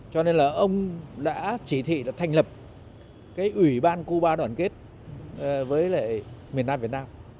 cho nên là ông đã chỉ thị là thành lập cái ủy ban cuba đoàn kết với lại miền nam việt nam